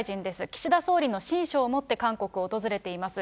岸田総理の親書を持って韓国を訪れています。